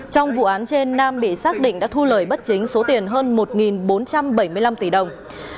trong vụ án trên nam bị xác định đã thu lời bất chính số tiền hơn một bốn trăm bảy mươi năm tỷ đồng